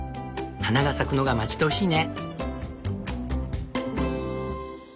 花が咲くのが待ち遠しいね。